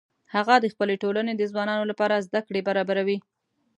هغه د خپلې ټولنې د ځوانانو لپاره زده کړې برابروي